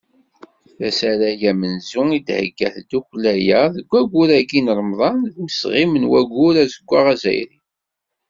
D asarag amenzu i d-thegga tddukkla-a deg waggur-agi n Remḍan, deg usɣim n Waggur Azeggaɣ Azzayri.